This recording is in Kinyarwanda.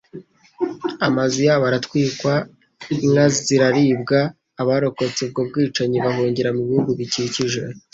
amazu yabo aratwikwa, inka ziraribwa, abarokotse ubwo bwicanyi bahungira mu bihugu bikikije